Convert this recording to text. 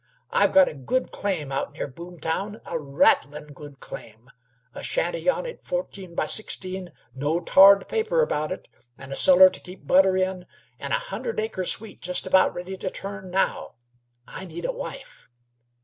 I've got a good claim out near Boomtown a rattlin' good claim; a shanty on it fourteen by sixteen no tarred paper about it, and a suller to keep butter in, and a hundred acres o' wheat just about ready to turn now. I need a wife."